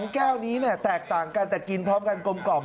แก้วนี้แตกต่างกันแต่กินพร้อมกันกลม